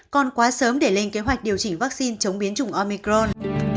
còn quá sớm để lên kế hoạch điều chỉnh vaccine chống biến chủng omicron